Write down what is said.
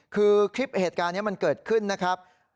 คือคลิปเหตุการณ์นี้มันเกิดขึ้นนะครับ